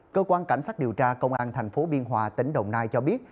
cơ quan cảnh sát điều tra công an thành phố biên hòa tỉnh đồng nai cho biết